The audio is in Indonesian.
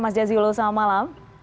mas jazilul selamat malam